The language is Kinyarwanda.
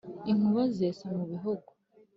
Inkuba zesa mu Bihogo,